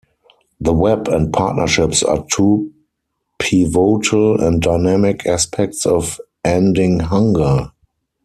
The web and partnerships are two pivotal and dynamic aspects of EndingHunger.